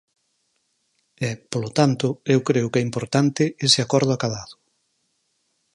E, polo tanto, eu creo que é importante ese acordo acadado.